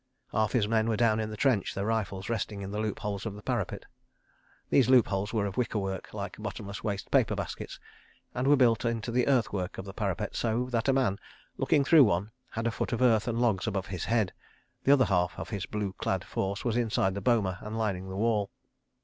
Half his men were down in the trench, their rifles resting in the loop holes of the parapet. These loop holes were of wicker work, like bottomless waste paper baskets, and were built into the earthwork of the parapet so that a man, looking through one, had a foot of earth and logs above his head. The other half of his blue clad force was inside the boma and lining the wall.